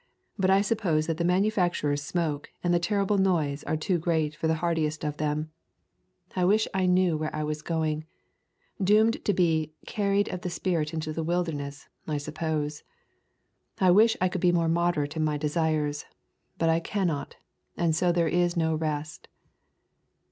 But I suppose that the manu facturers' smoke and the terrible noise are too great for the hardiest of them. I wish I knew [ xiii ] Introduction where I was going. Doomed to be 'carried of the spirit into the wilderness,' I suppose. I wish I could be more moderate in my desires, but I cannot, and so there is no rest."